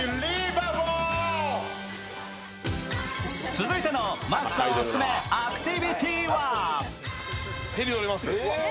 続いてのマークさんおすすめアクティビティーは？